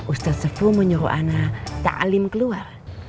ustadz sefu menyuruh ana tak alim keluar